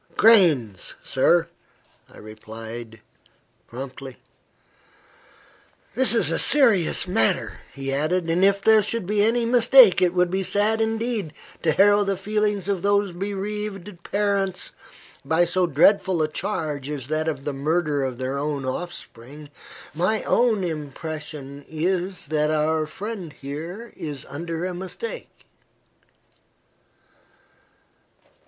"Grains, sir," I replied, promptly. "This is a serious matter," he added; "and if there should be any mistake, it would be sad indeed to harrow the feelings of those bereaved parents by so dreadful a charge as that of the murder of their own offspring. My own impression is, that our friend here is under a mistake."